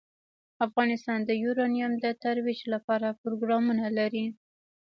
افغانستان د یورانیم د ترویج لپاره پروګرامونه لري.